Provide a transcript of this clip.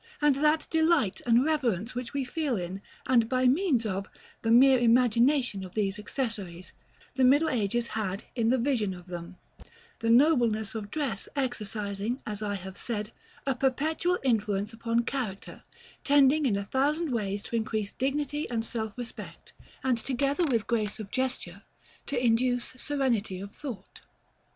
And that delight and reverence which we feel in, and by means of, the mere imagination of these accessaries, the middle ages had in the vision of them; the nobleness of dress exercising, as I have said, a perpetual influence upon character, tending in a thousand ways to increase dignity and self respect, and together with grace of gesture, to induce serenity of thought.